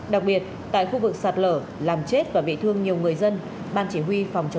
đặc biệt tại khu vực sạt lở